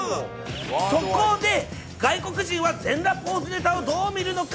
そこで、外国人は全裸ポーズネタをどう見るのか。